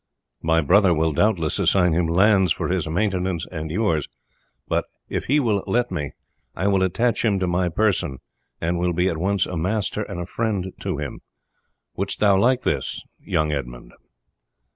My brother will doubtless assign him lands for his maintenance and yours; but if he will let me I will attach him to my person, and will be at once a master and a friend to him. Wouldst thou like this, young Edmund?"